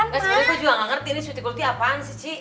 mak tapi aku juga gak ngerti ini sweetie cool tea apaan sih ci